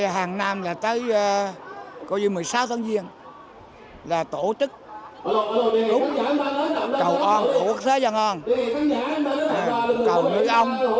hàng năm là tới một mươi sáu tháng riêng là tổ chức lúc cầu ong của quốc gia dân ong cầu những ông